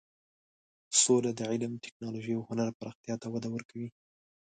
سوله د علم، ټکنالوژۍ او هنر پراختیا ته وده ورکوي.